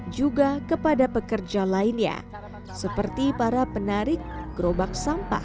juga kepada pekerja lainnya seperti para penarik gerobak sampah